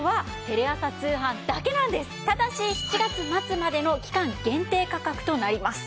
ただし７月末までの期間限定価格となります。